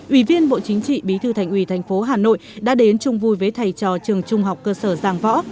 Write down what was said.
ủy viên bộ chính trị bí thư thành uỷ tp hà nội đã đến chung vui với thầy trò trường trung học cơ sở giang võ